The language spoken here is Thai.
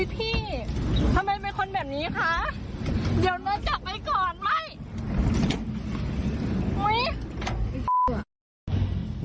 ทำไมเป็นคนแบบนี้คะเดี๋ยวมือจักรไปก่อนมั้ย